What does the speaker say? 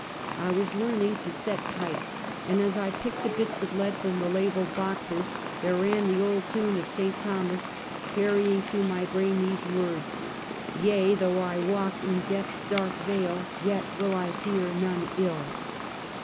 I was learning to set type, and as I picked the bits of lead from the labeled boxes, there ran the old tune of St. Thomas, carrying through my brain these words: " Tea, tliough I walk in death's dark vale, Yet will I fear none ill."